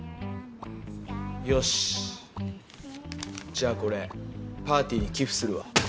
よしじゃあこれパーティーに寄付するわ。